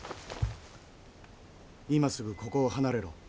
今すぐここを離れろ。